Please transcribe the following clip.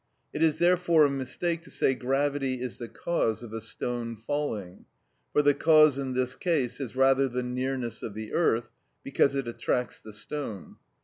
It is therefore a mistake to say "gravity is the cause of a stone falling;" for the cause in this case is rather the nearness of the earth, because it attracts the stone.